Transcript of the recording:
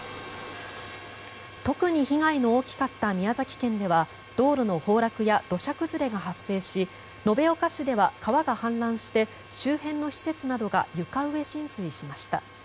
特に被害の大きかった宮崎県では道路の崩落や土砂崩れが発生し延岡市では川が氾濫して周辺の施設などが床上浸水しました。